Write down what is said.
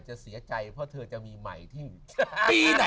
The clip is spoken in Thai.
จะเสียใจเพราะเธอจะมีใหม่ที่ปีไหน